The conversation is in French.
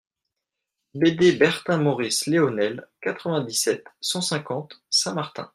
BD BERTIN MAURICE LEONEL, quatre-vingt-dix-sept, cent cinquante Saint Martin